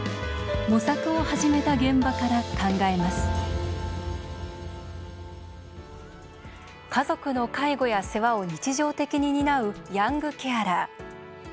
模索を始めた現場から考えます家族の介護や世話を日常的に担うヤングケアラー。